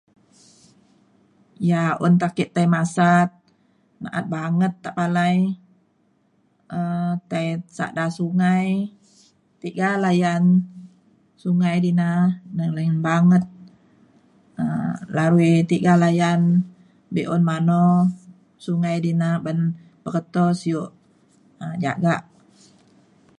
yak un ta ake tai masat na’at banget tepalai um tai sada sungai tiga layan sungai di na na’at layan banget um lawi tiga layan be’un mano sungai di na ban peketo sio um jagak